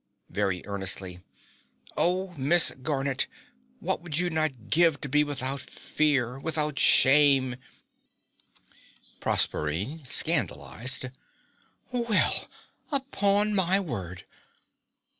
(Very earnestly.) Oh, Miss Garnett, what would you not give to be without fear, without shame PROSERPINE (scandalized), Well, upon my word!